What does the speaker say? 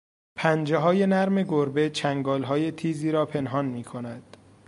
پنجههای نرم گربه چنگالهای تیزی را پنهان میکند.